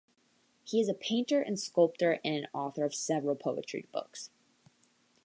He is a painter and sculptor and an author of several poetry books.